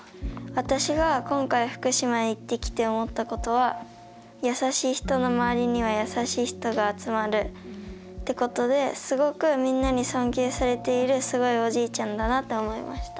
「私が今回福島へ行ってきて思ったことは優しい人の周りには優しい人が集まるってことですごくみんなに尊敬されているすごいおじいちゃんだなって思いました」。